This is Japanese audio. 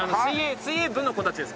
水泳部の子たちです